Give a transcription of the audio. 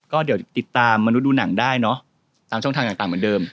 ก็เดี๋ยวติดตามมนุษย์ดูหนังได้เนอะตามช่องทางต่างเหมือนเดิม